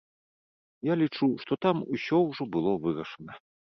Я лічу, што там усё ўжо было вырашана.